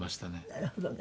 なるほどね。